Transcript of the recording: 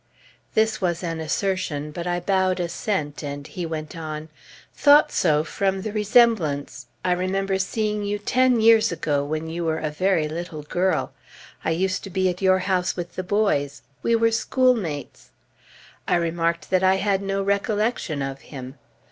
This was an assertion; but I bowed assent, and he went on, "Thought so, from the resemblance. I remember seeing you ten years ago, when you were a very little girl. I used to be at your house with the boys; we were schoolmates." I remarked that I had no recollection of him.